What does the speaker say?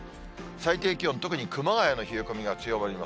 最低気温、特に熊谷の冷え込みが強まります。